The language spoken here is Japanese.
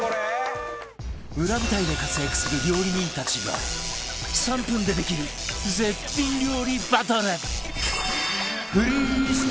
裏舞台で活躍する料理人たちが３分でできる絶品料理バトル！